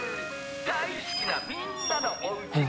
「大好きなみんなのお家に」